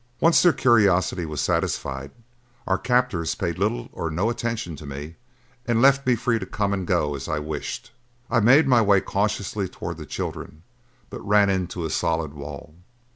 Once their curiosity was satisfied, our captors paid little or no attention to me and left me free to come and go as I wished. I made my way cautiously toward the children, but ran into a solid wall.